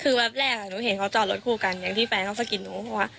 คือแป๊บแรกหนูเห็นเขาจอดรถคู่กันอย่างที่แฟนเขาสะกิดหนูเพราะว่า